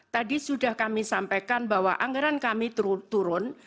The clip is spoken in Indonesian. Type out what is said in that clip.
tadi sudah kami sampaikan bahwa anggaran kami turun